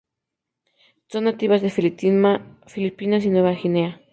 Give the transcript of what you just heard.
Son nativas de Filipinas y Nueva Guinea.